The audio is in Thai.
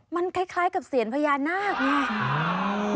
มันคล้ายกับเสียญพญานาคไง